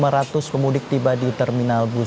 sebanyak empat lima ratus pemudik tiba di terminal busur